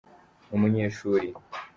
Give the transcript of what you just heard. umunyeshuri.